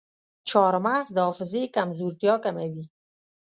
چارمغز د حافظې کمزورتیا کموي.